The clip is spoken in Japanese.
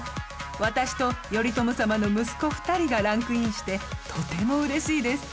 私と頼朝様の息子２人がランクインしてとても嬉しいです。